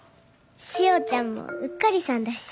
しおちゃんもうっかりさんだし。